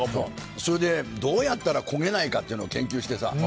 それで、どうやったら焦げないかというのを研究してさ。